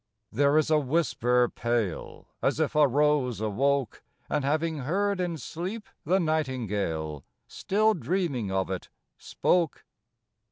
There is a whisper pale, As if a rose awoke, And, having heard in sleep the nightingale, Still dreaming of it spoke.